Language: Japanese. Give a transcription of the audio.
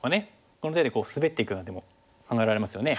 この手でスベっていくような手も考えられますよね。